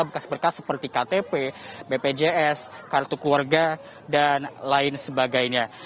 berkas berkas seperti ktp bpjs kartu keluarga dan lain sebagainya